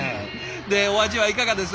でお味はいかがです？